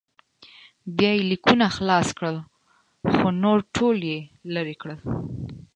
بیا یې لیکونه خلاص کړل خو نور ټول یې لرې کړل.